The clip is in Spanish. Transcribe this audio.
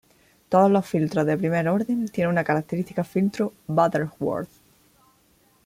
Todos los filtros de primer orden tienen una característica filtro Butterworth.